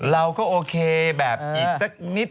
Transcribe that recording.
เราก็โอเคแบบอีกสักนิด